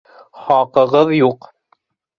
Хаҡығыҙ юҡ!